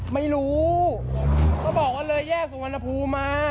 ไม่รู้เขาบอกว่าเลยแยกสุวรรณภูมิมา